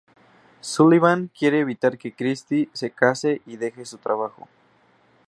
Sullivan quiere evitar que Christy se case y deje su trabajo.